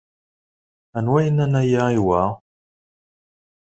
Anwa yenna-n aya i wa?